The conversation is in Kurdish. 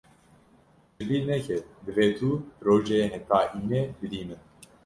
Ji bîr neke divê tu projeyê heta înê bidî min.